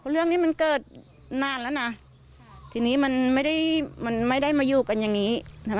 เรื่องนี้มันเกิดนานแล้วนะทีนี้มันไม่ได้มันไม่ได้มาอยู่กันอย่างนี้